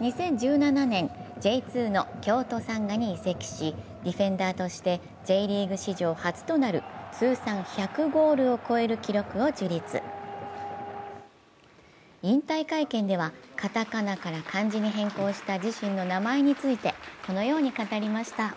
２０１７年、Ｊ２の京都サンガに移籍しディフェンダーとしてＪリーグ史上初となる通算１００ゴールを超える記録を樹立引退会見では片仮名から漢字に変更した自身の名前についてこのように語りました。